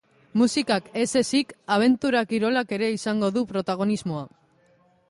Musikak ez ezik, abentura kirolak ere izango du protagonismoa.